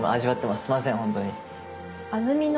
すいませんホントに。